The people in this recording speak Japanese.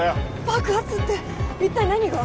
爆発って一体何が？